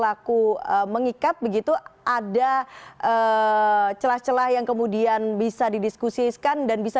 oke tapi dalam kebijakan